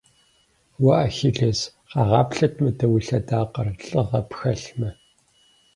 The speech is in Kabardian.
Уэ, Ахилес! Къэгъаплъэт мыдэ уи лъэдакъэр, лӏыгъэ пхэлъмэ!